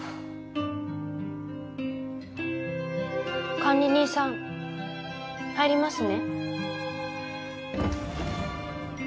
管理人さん入りますね。